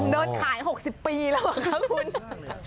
เดินขาย๖๐ปีแล้วมั้งคะคุณ